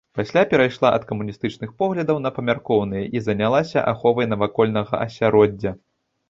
Пасля перайшла ад камуністычных поглядаў на памяркоўныя і занялася аховай навакольнага асяроддзя.